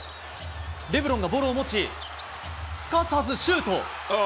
レブロンがボールを持ち、すかさずシュート。